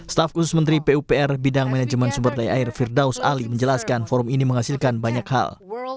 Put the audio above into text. staf khusus menteri pupr bidang manajemen sumber daya air firdaus ali menjelaskan forum ini menghasilkan banyak hal